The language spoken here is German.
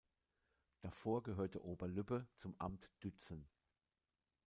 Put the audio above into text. Davor gehörte Oberlübbe zum Amt Dützen.